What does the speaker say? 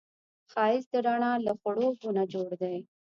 ښایست د رڼا له خړوبو نه جوړ دی